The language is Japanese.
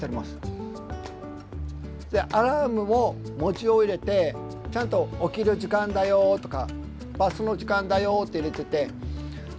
アラームも文字を入れてちゃんと「起きる時間だよ」とか「バスの時間だよ」って入れててそしてバスに乗り込む。